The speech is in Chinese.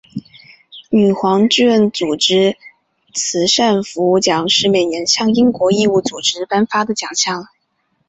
女皇志愿组织慈善服务奖是每年向英国义务组织颁发的奖项。